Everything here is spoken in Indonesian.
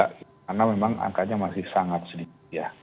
karena memang angkanya masih sangat sedikit ya